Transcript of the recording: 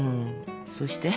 そうして。